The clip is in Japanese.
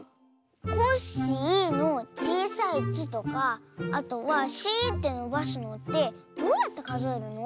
「コッシー」のちいさい「ッ」とかあとは「シー」ってのばすのってどうやってかぞえるの？